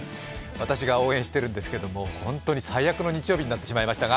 私が応援してるんですけれども、本当に最悪の日曜日になってしまいました。